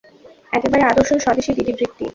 একেবারে আদর্শ স্বদেশী দিদিবৃত্তি।